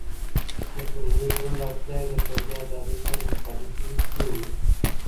د ټولنیز ژوند اړتیاوې د فردي ازادۍ سره مخالفېي نه دي.